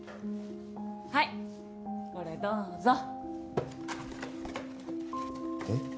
はいこれどうぞ。え？